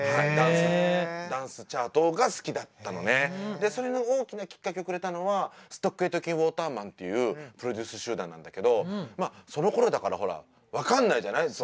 でそれの大きなきっかけをくれたのはストック・エイトキンウォーターマンっていうプロデュース集団なんだけどそのころだからほら分かんないじゃない？